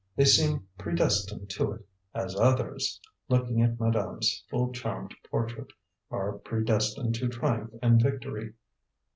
They seem predestined to it, as others" looking at madame's full charmed portrait "are predestined to triumph and victory.